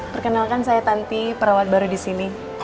perkenalkan saya tanti perawat baru di sini